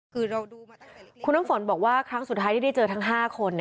คือคุณน้ำฝนบอกว่าครั้งสุดท้ายที่ได้เจอทั้ง๕คน